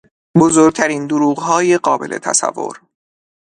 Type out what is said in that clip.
بزرگترین دروغهای قابل تصور